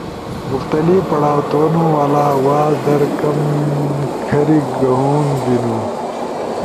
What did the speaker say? مختلف پڑھاؤ تھونُو والا آواز در کم کھری گہون بیِنُو۔